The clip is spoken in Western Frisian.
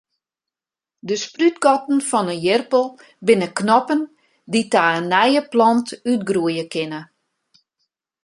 De sprútgatten fan in ierappel binne knoppen dy't ta in nije plant útgroeie kinne.